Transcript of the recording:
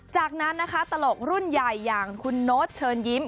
จากนั้นนะคะตลกรุ่นใหญ่อย่างคุณโน๊ตเชิญยิ้ม